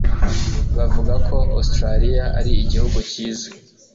Bavuga ko Australiya ari igihugu cyiza.